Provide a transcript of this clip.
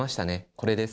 これです。